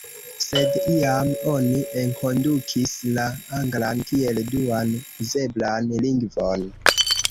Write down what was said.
Sed iam oni enkondukis la anglan kiel duan uzeblan lingvon.